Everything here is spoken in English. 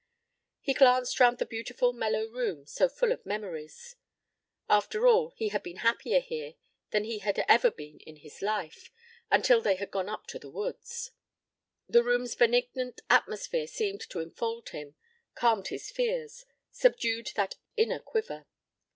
He glanced round the beautiful mellow room so full of memories. After all he had been happier here than he had ever been in his life until they had gone up to the woods! The room's benignant atmosphere seemed to enfold him, calmed his fears, subdued that inner quiver.